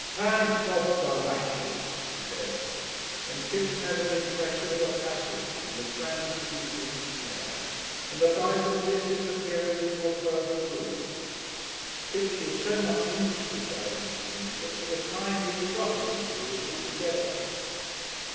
"Thank God for matches!" he said, and Kipps had an impression of a passage in the transitory pink flare and the bicyclist disappearing into a further room. Kipps was so much interested by these things that for the time he forgot his injuries altogether.